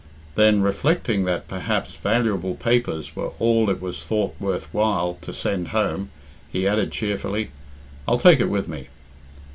Then, reflecting that perhaps valuable papers were all it was thought worth while to send home, he added cheerfully, "I'll take it with me."